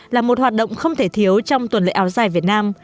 là một hoạt động không thể thiếu trong tuần lễ áo dài việt nam